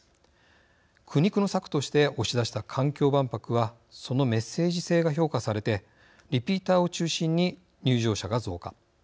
苦肉の策として押し出した環境万博はそのメッセージ性が評価されてリピーターを中心に入場者が増加。